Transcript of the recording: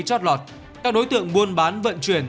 trót lọt các đối tượng buôn bán vận chuyển